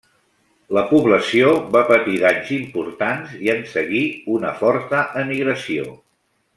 La població va patir danys importants i en seguí una forta emigració.